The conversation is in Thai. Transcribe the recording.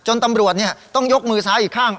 ตำรวจต้องยกมือซ้ายอีกข้าง